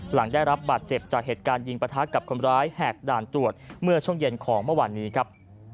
หลังได้รับบาดเจ็บจากเหตุการณ์ยิงประทะกับคนร้ายแหกด่านตรวจเมื่อช่วงเย็นของเมื่อวานนี้ครับ